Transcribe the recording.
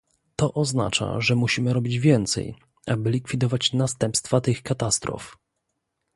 To oznacza, że musimy robić więcej, aby likwidować następstwa tych katastrof